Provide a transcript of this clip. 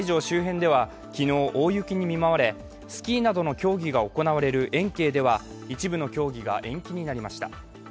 周辺では昨日大雪に見舞われスキーなどの競技が行われる延慶では一部の競技が延期になりました。